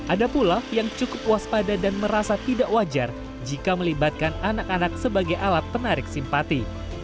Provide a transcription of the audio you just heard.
ada pula yang cukup waspada dan merasa tidak wajar jika melibatkan anak anak sebagai alat penarik simpati